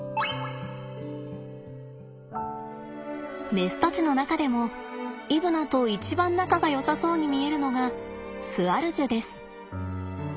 メスたちの中でもイブナと一番仲がよさそうに見えるのがスアルジュです。